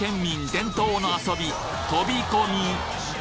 伝統の遊び飛び込み